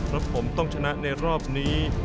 แล้วผมต้องชนะในรอบนี้